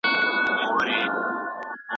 د هیواد د تاریخ په پاڼو کي د جرګو یادونه شوې ده.